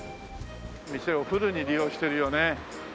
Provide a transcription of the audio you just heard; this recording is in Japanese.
店をフルに利用してるよね。